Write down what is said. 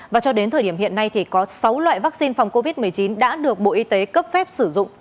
và cho đến thời điểm hiện nay thì có sáu loại vaccine phòng covid một mươi chín đã được bộ y tế cấp phép sử dụng